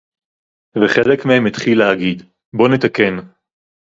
וחלק מהם התחיל להגיד: בואו נתקן